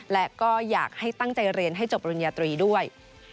และก็อยากให้ตั้งใจเรียนให้จบปริญญาตรีด้วย